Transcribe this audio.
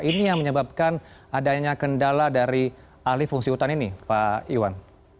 ini yang menyebabkan adanya kendala dari alih fungsi hutan ini pak iwan